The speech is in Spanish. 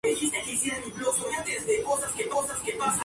No se permitía la esclavitud entre los indígenas.